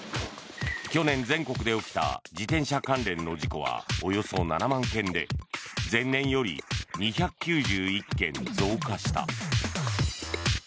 去年、全国で起きた自転車関連の事故はおよそ７万件で前年より２９１件増加した。